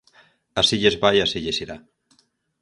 Así lles vai e así lles irá.